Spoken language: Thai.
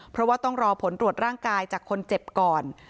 เพราะว่าต้องรอผลตรวจร่างกายจากคนเจ็บก่อน